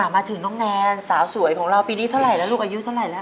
มาถึงน้องแนนสาวสวยของเราปีนี้เท่าไหร่แล้วลูกอายุเท่าไหร่แล้ว